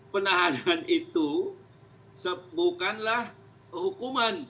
penahanan itu bukanlah hukuman